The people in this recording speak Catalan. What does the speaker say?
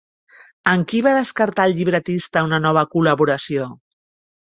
Amb qui va descartar el llibretista una nova col·laboració?